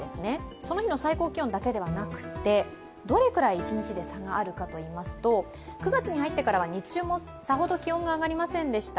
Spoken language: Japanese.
その日の最高気温だけではなくて、どれくらい一日で差があるかといいますと９月に入ってから日中もさほど気温が上がりませんでした。